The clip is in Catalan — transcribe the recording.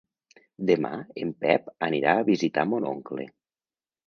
Demà en Pep anirà a visitar mon oncle.